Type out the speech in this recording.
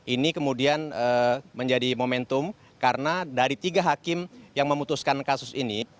ini kemudian menjadi momentum karena dari tiga hakim yang memutuskan kasus ini